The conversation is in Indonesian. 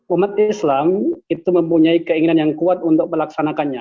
umat islam itu mempunyai keinginan yang kuat untuk melaksanakannya